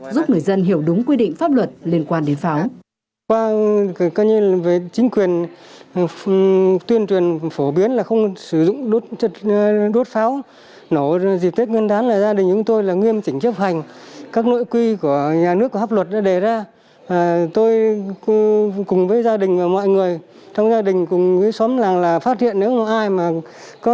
giúp người dân hiểu đúng quy định pháp luật liên quan đến pháo